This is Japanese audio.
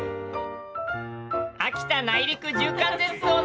秋田内陸縦貫鉄道の旅。